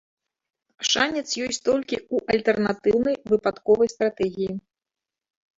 Шанец ёсць толькі ў альтэрнатыўнай выпадковай стратэгіі.